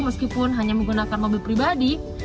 meskipun hanya menggunakan mobil pribadi